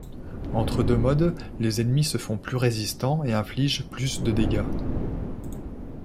Entre deux modes, les ennemis se font plus résistants et infligent plus de dégâts.